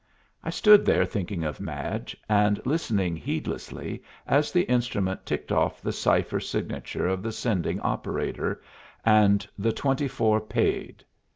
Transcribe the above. I stood there thinking of Madge, and listening heedlessly as the instrument ticked off the cipher signature of the sending operator, and the "twenty four paid."